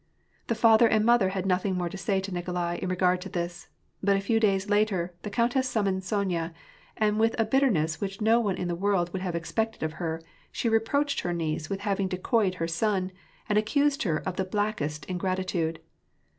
The father an5*i;rvn^J:ox had nothing more to say to Nikolai, in regard to this ; but a few days later, the countess summoned Sonya, and with a bitterness which no one in the world would have expected of her, she reproached her niece with having decoyed her son, and accused her of the blackest ingratitude.